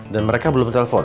dan mereka belum telepon